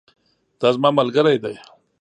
دا زما ملګری دی